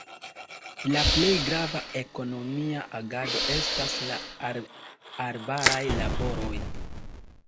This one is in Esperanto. La plej grava ekonomia agado estas la arbaraj laboroj.